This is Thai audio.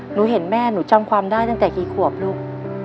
หนูเห็นแม่หนูจำความได้ตั้งแต่กี่ขวบลูก